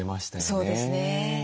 そうですね。